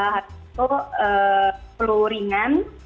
waktu itu pelurinan